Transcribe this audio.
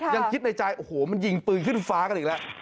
ยังคิดในใจโอ้โหมันยิงปืนขึ้นฟ้ากันอีกแล้ว